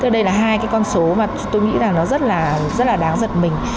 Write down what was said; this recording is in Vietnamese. đây là hai con số mà tôi nghĩ rất đáng giật mình